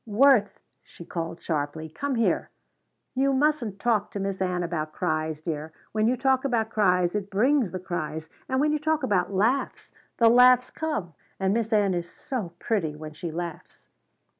"Worth," she called sharply, "come here. You mustn't talk to Miss Ann about cries, dear. When you talk about cries it brings the cries, and when you talk about laughs the laughs come, and Miss Ann is so pretty when she laughs."